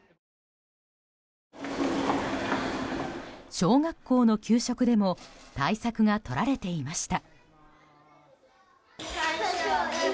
小学校の給食でも対策が取られていました。